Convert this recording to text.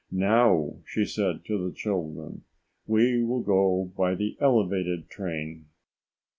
"Now," she said to the children, "we will go by the elevated train."